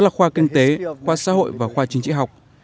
đó là khoa kinh tế khoa xã hội và khoa chính trị học